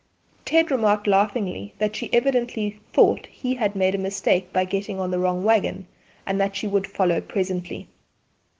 Ted remarked laughingly that she evidently thought he had made a mistake by getting on to the wrong waggon, and that she would follow presently.